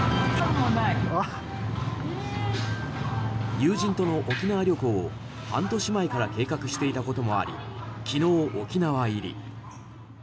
友人との沖縄旅行を半年前から計画していたこともあり昨日、沖縄入り。